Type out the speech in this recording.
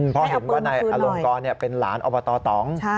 เพราะเห็นว่านายอลงกรเป็นหลานอบตตอง